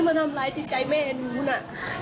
แกมาทำร้ายใจใจแม่หนูน่ะ